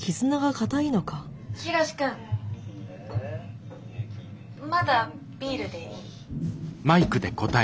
「ヒロシ君まだビールでいい？」。